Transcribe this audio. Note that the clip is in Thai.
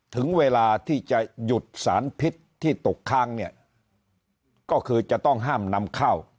ถึงเวลาที่จะหยุดสารพิษที่ตกค้างเนี่ยก็คือจะต้องห้ามนำเข้า